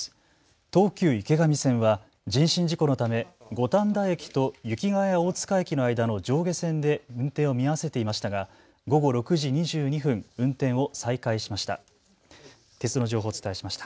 東急池上線は人身事故のため五反田駅と雪が谷大塚駅の間の上下線で運転を見合わせていましたが午後６時２２分運転を再開しました。